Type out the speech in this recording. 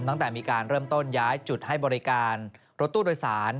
ตั้งแต่มีการเริ่มต้นย้ายจุดให้บริการรถตู้โดยสาร